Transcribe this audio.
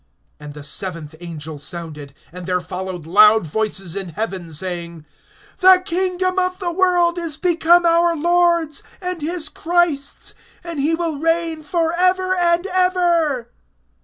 (15)And the seventh angel sounded; and there followed loud voices in heaven, saying: The kingdom of the world is become our Lord's, and his Christ's; and he will reign forever and ever.